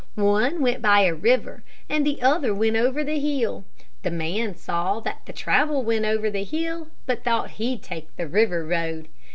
One went by a river, and the other went over the hill. The man saw that the travel went over the hill, but thought he'd take the river road.